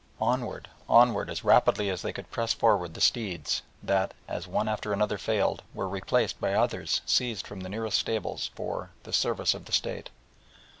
Onward, onward as rapidly as they could press forward the steeds that, as one after another failed, were replaced by others seized from the nearest stables "for the service of the State."